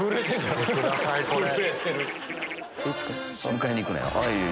迎えに行くなよ！